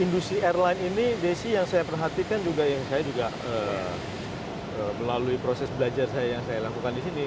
industri airline ini desi yang saya perhatikan juga yang saya juga melalui proses belajar saya yang saya lakukan di sini